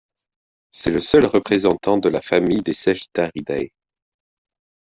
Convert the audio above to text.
C'est le seul représentant de la famille des Sagittariidae.